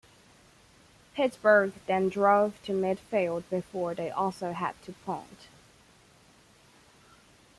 Pittsburgh then drove to midfield before they also had to punt.